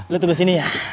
lo tunggu disini ya